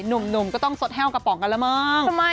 หนุ่มก็ต้องสดแห้วกระป๋องกันแล้วมั้ง